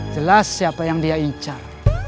jelas siapa yang dia incar